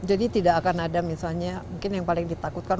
jadi tidak akan ada misalnya mungkin yang paling ditakutkan